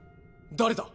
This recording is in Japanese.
誰だ？